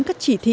các chỉ thiết